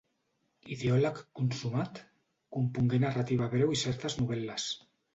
Ideòleg consumat, compongué narrativa breu i certes novel·les.